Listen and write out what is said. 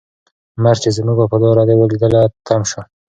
مرګ چې زموږ وفاداري ولیدله، تم شو.